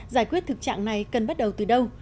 giải quyết thực trạng này cần bắt đầu từ đâu